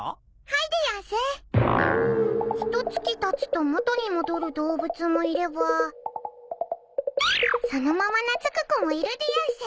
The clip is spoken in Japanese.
ひと月たつと元に戻る動物もいればそのまま懐く子もいるでやんす。